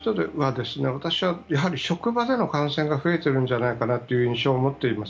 最近の傾向としては私はやはり職場での感染が増えているんじゃないかなという印象を持っています。